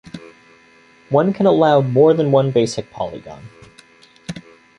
One can allow more than one basic polygon.